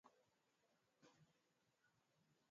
Pamoja na matamshi kutokana na kuhama hama kwa wabantu hawa